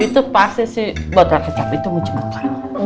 itu pasti si botol kecap itu menjemput kamu